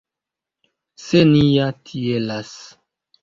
Se ni ja tielas.